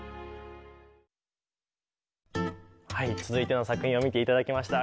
はい続いての作品を見て頂きました。